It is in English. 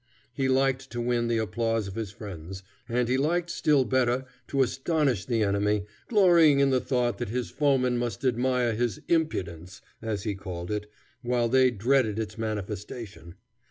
He liked to win the applause of his friends, and he liked still better to astonish the enemy, glorying in the thought that his foemen must admire his "impudence," as he called it, while they dreaded its manifestation.